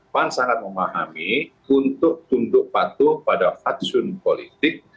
pan sangat memahami untuk tunduk patuh pada fatsun politik